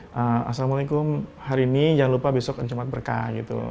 assalamualaikum hari ini jangan lupa besok jumat berkah gitu